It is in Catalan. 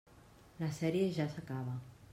La sèrie ja s'acaba.